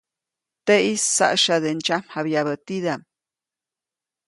Teʼis saʼsyade ndsyamjabyabä tidaʼm.